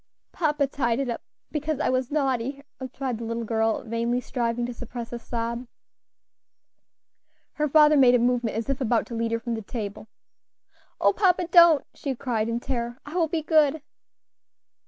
"Papa tied it up, because I was naughty," replied the little girl, vainly striving to suppress a sob. Her father made a movement as if about to lead her from the table. "O papa! don't" she cried, in terror; "I will be good."